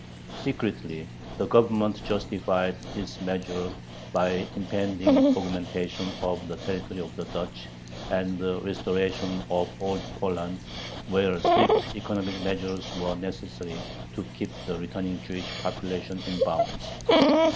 Secretly the Government justified this measure by the impending augmentation of the territory of the Duchy and the restoration of Old Poland, where strict economic measures were necessary to keep the returning Jewish population in bounds.